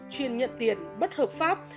chuyên nhận tiền bất hợp pháp